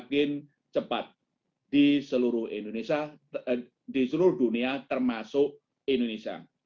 semakin cepat di seluruh indonesia di seluruh dunia termasuk indonesia